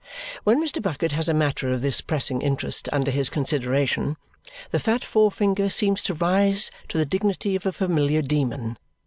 When Mr. Bucket has a matter of this pressing interest under his consideration, the fat forefinger seems to rise, to the dignity of a familiar demon.